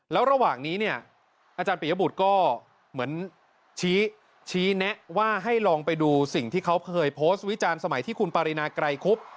แล้วระหว่างนี้เนี่ยอาจารย์ปียบุตรก็เหมือนชี้แนะว่าให้ลองไปดูสิ่งที่เขาเคยโพสต์วิจารณ์สมัยที่คุณปรินาไกรคุบ